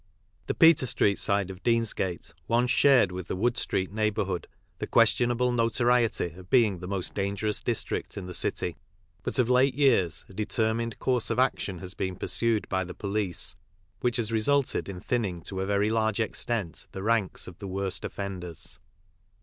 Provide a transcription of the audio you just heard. The Peter street side of Beansgate once shared with the Wood street neighbourhood the question able notoriety of being the most dangerous district in the city ; but of late years a determined course of action has been pursued by the police which has resulted in thinning to a very large extent the ranks of the worst offenders.